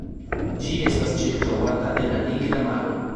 Ĝi estas ĉirkaŭata de la Nigra maro.